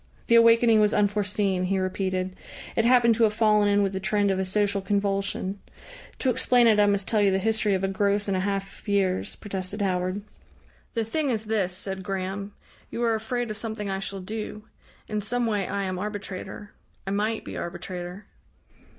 The awakening was unforeseen, he repeated; it happened to have fallen in with the trend of a social convulsion. "To explain it I must tell you the history of a gross and a half of years," protested Howard. "The thing is this," said Graham. "You are afraid of something I shall do. In some way I am arbitrator I might be arbitrator."